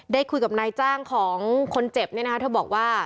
ได้คุยกับนายจ้างของคนเจ็บเนี่ยนะคะเธอบอกว่า